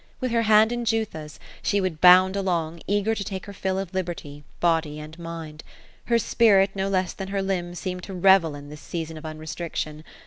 With her hand in Jutha's, she would bound along, eager to take her fill of liberty, body and mind. Her spirit, no less than her limbs, seemed to revel in this season of unrestriction.